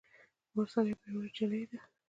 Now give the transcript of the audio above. مرسل یوه پیاوړي نجلۍ ده.